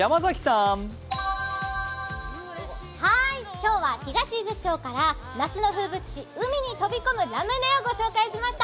今日は東伊豆町から夏の風物詩、海に飛び込むラムネをご紹介しました。